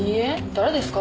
誰ですか？